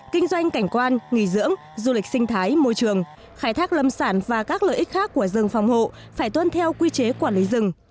kinh doanh cảnh quan nghỉ dưỡng du lịch sinh thái môi trường khai thác lâm sản và các lợi ích khác của rừng phòng hộ phải tuân theo quy chế quản lý rừng